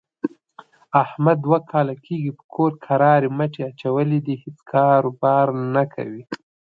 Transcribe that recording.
احمد دوه کاله کېږي په کور کرارې مټې اچولې دي، هېڅ کاروبار نه کوي.